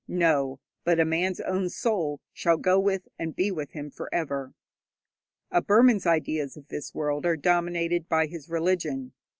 No; but a man's own soul shall go with and be with him for ever. A Burman's ideas of this world are dominated by his religion.